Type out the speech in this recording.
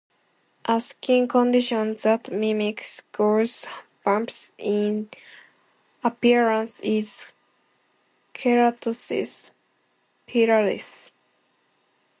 A skin condition that mimics goose bumps in appearance is keratosis pilaris.